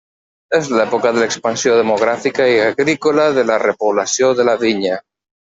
És l'època de l'expansió demogràfica i agrícola de la repoblació de la vinya.